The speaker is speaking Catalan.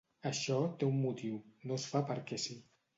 Això té un motiu, no es fa perquè sí.